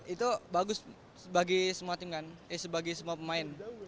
itu bagus bagi semua dengan sebagai semua pemain